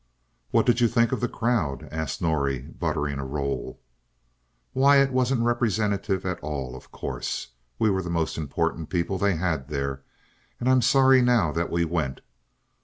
"What did you think of the crowd?" asked Norrie, buttering a roll. "Why, it wasn't representative at all, of course. We were the most important people they had there, and I'm sorry now that we went.